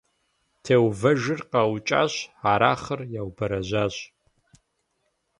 Теувэжыр къаукӀащ, Арахъыр яубэрэжьащ.